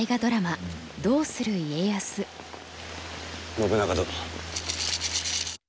信長殿。